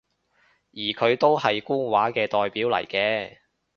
而佢都係官話嘅代表嚟嘅